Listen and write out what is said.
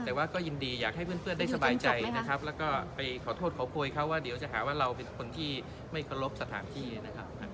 แต่ว่าก็ยินดีอยากให้เพื่อนได้สบายใจนะครับแล้วก็ไปขอโทษขอโพยเขาว่าเดี๋ยวจะหาว่าเราเป็นคนที่ไม่เคารพสถานที่นะครับ